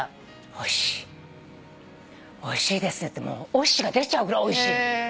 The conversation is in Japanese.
おいしいおいしいですねって「おいしい」が出ちゃうぐらいおいしいの。